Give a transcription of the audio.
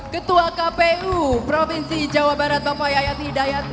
ketua kpu provinsi jawa barat bapak yayat hidayat